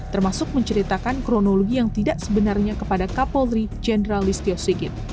termasuk menceritakan kronologi yang tidak sebenarnya kepada kapolri jenderal listio sigit